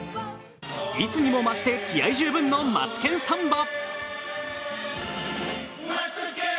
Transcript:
いつにも増して気合い十分の「マツケンサンバ」。